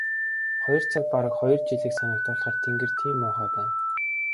Хоёр цаг бараг хоёр жилийг санагдуулахаар тэнгэр тийм муухай байна.